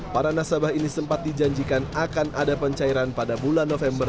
para nasabah ini sempat dijanjikan akan ada pencairan pada bulan november